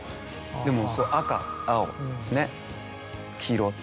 でも赤青黄色。